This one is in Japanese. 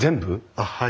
あっはい。